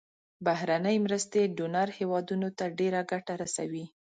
بهرنۍ مرستې ډونر هیوادونو ته ډیره ګټه رسوي.